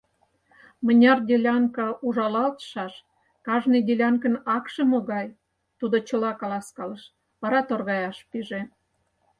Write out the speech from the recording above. Мыняр делянка ужалалтшаш, кажне делянкын акше могай — тудо чыла каласкалыш, вара торгаяш пиже.